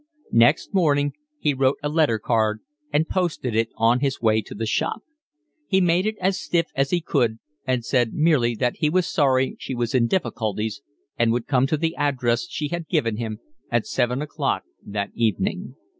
Next morning he wrote a letter card and posted it on his way to the shop. He made it as stiff as he could and said merely that he was sorry she was in difficulties and would come to the address she had given at seven o'clock that evening.